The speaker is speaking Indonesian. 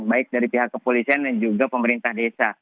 baik dari pihak kepolisian dan juga pemerintah desa